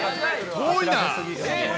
遠いな。